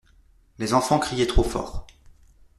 Les enfants criaient trop fort.